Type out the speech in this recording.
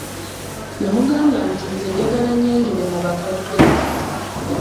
Namugamba nti nze njagala annyanjule mu bakadde.